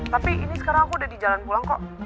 tapi ini sekarang aku udah di jalan pulang kok